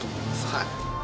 はい。